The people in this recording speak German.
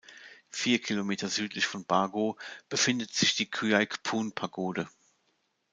Vier Kilometer südlich von Bago befindet sich die Kyaikpun-Pagode.